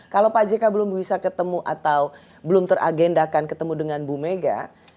kalau pak jk belum bisa ketemu atau belum teragendakan ketemu dengan bu mega